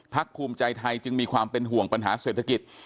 ภูมิใจไทยจึงมีความเป็นห่วงปัญหาเศรษฐกิจ